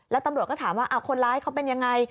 แล้วตำรวจก็ถามว่าคนร้ายเขาเป็นยังไง